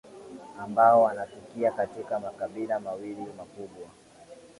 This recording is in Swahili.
ambao wanatukia katika makabila mawili makubwa